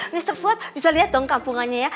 mister fuad bisa liat dong kampungannya ya